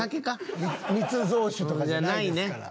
密造酒とかじゃないですから。